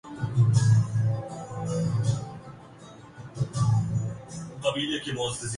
یوان کے استعمال سے پاکچین تجارت پر کیا اثرات مرتب ہوں گے